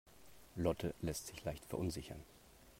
Lotte lässt sich leicht verunsichern.